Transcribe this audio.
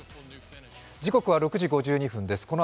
時刻は６時５２分です。